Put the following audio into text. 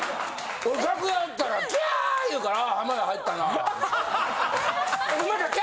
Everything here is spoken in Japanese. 俺楽屋おったらキャー言うからあ浜田入ったなぁ。